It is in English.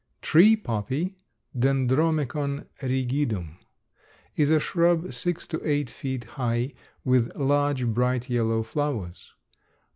Tree poppy (Dendromecon rigidum) is a shrub six to eight feet high, with large, bright yellow flowers.